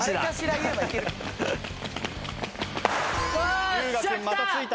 龍我君またついた。